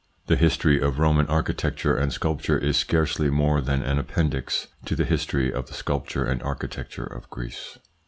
The history of Roman architecture and sculpture is scarcely more than an appendix to the history of the sculpture and architecture of Greece.